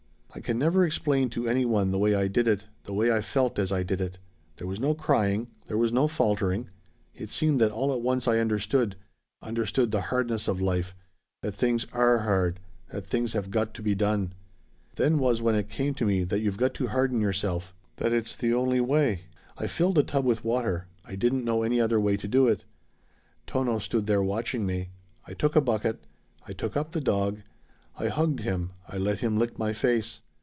"I can never explain to any one the way I did it the way I felt as I did it. There was no crying. There was no faltering. It seemed that all at once I understood understood the hardness of life that things are hard that things have got to be done. Then was when it came to me that you've got to harden yourself that it's the only way. "I filled a tub with water I didn't know any other way to do it. Tono stood there watching me. I took a bucket. I took up the dog. I hugged him. I let him lick my face.